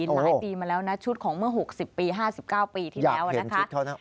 หลายปีมาแล้วนะชุดของเมื่อ๖๐ปี๕๙ปีที่แล้วนะคะ